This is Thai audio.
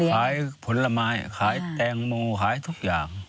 ขายผลไม้ขายแตงโมขายทุกอย่าง